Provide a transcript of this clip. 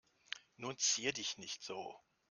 Nun zier dich nicht so.